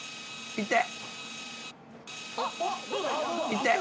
いって！